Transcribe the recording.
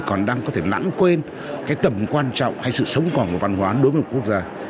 còn đang có thể lãng quên cái tầm quan trọng hay sự sống còn của văn hóa đối với một quốc gia